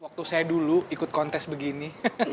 waktu saya dulu ikut kontes begini